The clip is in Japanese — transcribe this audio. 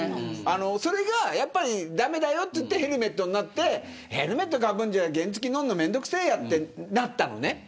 それがやっぱり駄目だよってヘルメットになってヘルメットかぶるんじゃ原付乗るのめんどくせーやってなったのね。